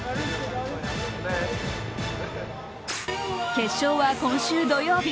決勝は今週土曜日。